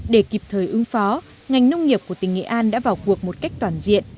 để kịp thời ứng phó ngành nông nghiệp của tỉnh nghệ an đã vào cuộc một cách toàn diện